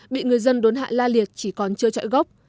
bị người dân đốn hạ la liệt chỉ còn chưa trọi gốc